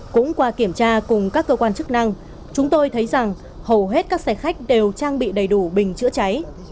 cũng qua kiểm tra cùng các cơ quan chức năng chúng tôi thấy rằng hầu hết các xe khách đều trang bị đầy đủ bình chữa cháy